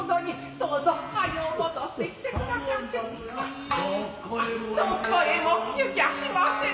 どこへも行きゃしません。